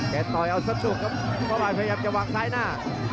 แค่ต่อยเอาสนุกครับป๊อปอายพยายามจะวางซ้ายหน้า